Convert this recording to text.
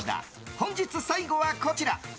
本日最後はこちら。